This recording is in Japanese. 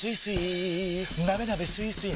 なべなべスイスイ